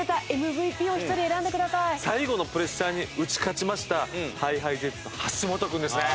最後のプレッシャーに打ち勝ちましたＨｉＨｉＪｅｔｓの橋本君ですね。